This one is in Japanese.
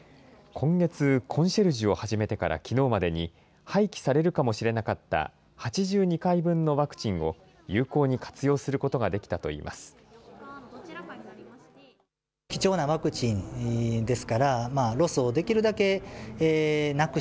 今月、コンシェルジュを始めてからきのうまでに、廃棄されるかもしれなかった８２回分のワクチンを、有効に活用することができたといいます。